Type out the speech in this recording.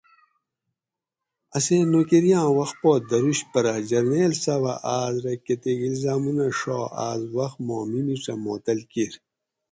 اسیں نوکریاں وخت پا دروش پرہ جرنیل صاۤبہ آس رہ کتیک الزامونہ ڛا آس وخت ما میمیڄہ معطل کیر